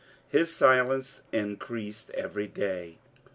His silence increased every day.